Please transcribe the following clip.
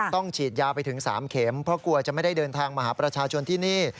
ฉีดยาไปถึง๓เข็มเพราะกลัวจะไม่ได้เดินทางมาหาประชาชนที่นี่